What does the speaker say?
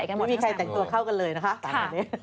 มีใครแต่งหน่วงตัวเข้ากันเลยนะคะ